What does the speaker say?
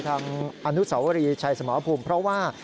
คุณภูริพัฒน์บุญนิน